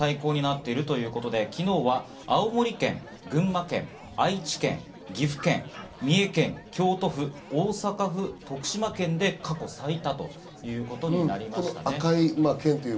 ８府県で最高になっているということで昨日は青森県、群馬県、愛知県、岐阜県、三重県、京都府、大阪府、徳島県で過去最多。